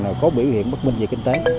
nó có biểu hiện bất minh về kinh tế